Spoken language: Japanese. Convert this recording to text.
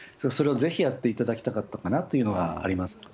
それをぜひやっていただきたかったかなっていうのがあります。